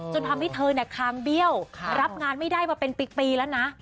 จนทำให้เธอเนี่ยคางเบี้ยวรับงานไม่ได้มาเป็นปีแล้วนะ